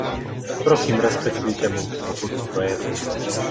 Prosím, respektujte mou svobodu projevu.